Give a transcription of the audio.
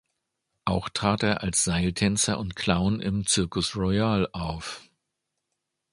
Auch trat er als Seiltänzer und Clown im "Circus Royal" auf.